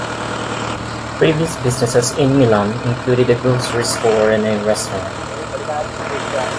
Previous businesses in Milan included a grocery store and a restaurant.